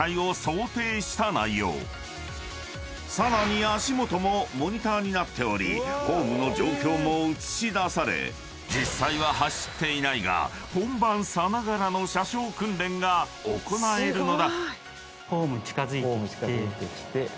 ［さらに足元もモニターになっておりホームの状況も映し出され実際は走っていないが本番さながらの車掌訓練が行えるのだ］